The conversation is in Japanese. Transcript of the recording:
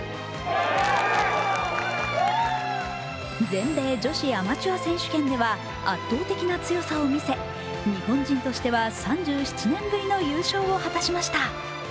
全米女子アマチュア選手権では圧倒的な強さを見せ日本人としては３７年ぶりの優勝を果たしました。